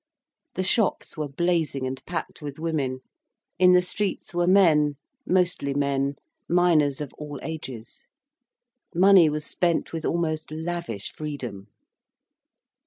The shops were blazing and packed with women, in the streets were men, mostly men, miners of all ages. Money was spent with almost lavish freedom.